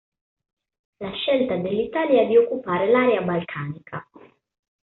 La scelta dell'Italia di occupare l'area balcanica.